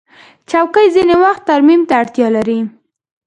چوکۍ ځینې وخت ترمیم ته اړتیا لري.